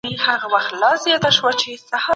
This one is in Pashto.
موږ باید په نړۍ کي د حق او باطل توپیر وکړو.